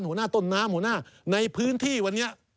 หัวหน้าต้นน้ำหัวหน้าในพื้นที่วันนี้